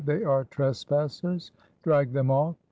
"They are trespassers! drag them off!"